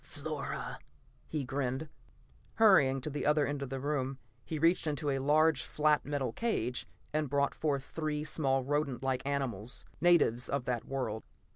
"Flora," he grinned. Hurrying to the other end of the room, he reached into a large flat metal cage and brought forth three small rodent like animals, natives of that world.